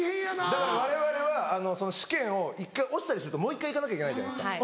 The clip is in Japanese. だからわれわれは試験を１回落ちたりするともう１回行かなきゃいけないじゃないですか。